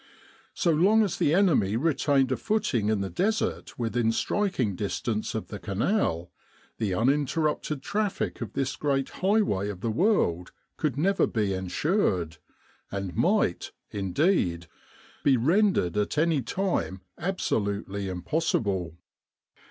So long as the enemy retained a footing in the Desert within striking dis tance of the Canal, the uninterrupted traffic of this great highway of the world could never be ensured, and might, indeed, be rendered at any time abso lutely impossible.